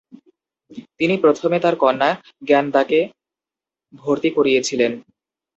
তিনি প্রথমে তার কন্যা জ্ঞানদাকে ভর্তি করিয়েছিলেন।